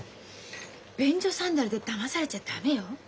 便所サンダルでだまされちゃ駄目よ。